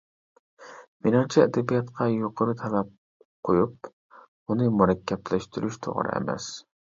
مېنىڭچە ئەدەبىياتقا يۇقىرى تەلەپ قويۇپ ئۇنى، مۇرەككەپلەشتۈرۈش توغرا ئەمەس.